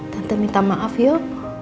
tante minta maaf yuk